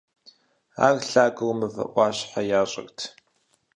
Ар лъагэу мывэ Ӏуащхьэ ящӀырт.